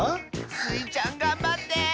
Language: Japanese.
スイちゃんがんばって！